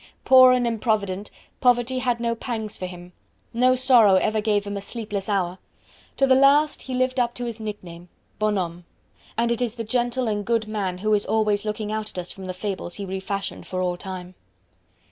Poor and improvident, poverty had no pangs for him. No sorrow ever gave him a sleepless hour. To the last he lived up to his nickname Bon homme. And it is the gentle and good man who is always looking out at us at us from the fables he refashioned for all time.